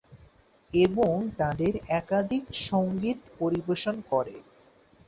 এবং তাদের একাধিক সংগীত পরিবেশন করে।